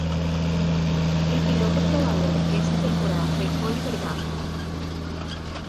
El piloto probador esa temporada fue Oliver Gavin.